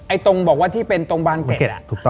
ตรงบอกว่าที่เป็นตรงบานเกร็ด